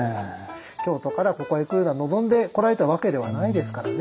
京都からここへ来るのは望んで来られたわけではないですからね。